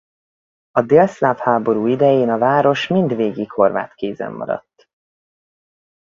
A délszláv háború idején a város mindvégig horvát kézen maradt.